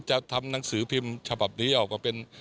จะทำหนังสือพิมพ์ฉบับนี้ออกมาเป็น